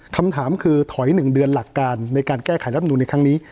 คำถามคือถอย๑เดือนหลักการในการแก้ไขรับนูลในครั้งนี้